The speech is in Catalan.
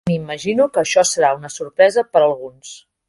M'imagino que això serà una sorpresa per a alguns.